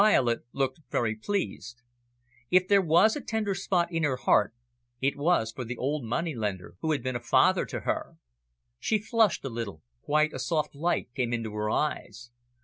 Violet looked very pleased. If there was a tender spot in her heart, it was for the old moneylender, who had been a father to her. She flushed a little; quite a soft light came into her eyes.